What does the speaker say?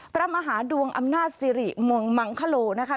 พระมหาดวงอำนาจสิริมงมังคโลนะคะ